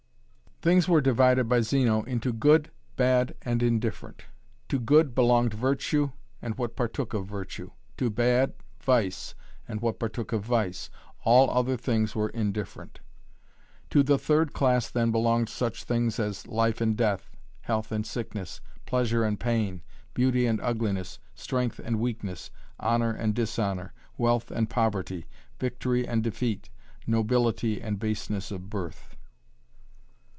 Things were divided by Zeno into good, bad, and indifferent. To good belonged virtue and what partook of virtue; to bad, vice and what partook of vice. All other things were indifferent. To the third class then belonged such things as life and death, health and sickness, pleasure and pain, beauty and ugliness, strength and weakness, honour and dishonour, wealth and poverty, victory and defeat, nobility and baseness of birth.